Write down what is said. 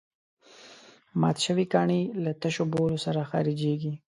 مات شوي کاڼي له تشو بولو سره خارجېږي.